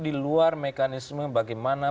di luar mekanisme bagaimana